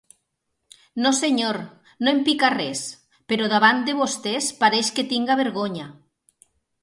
No senyor! No em pica res, però davant de vostés, pareix que tinga vergonya.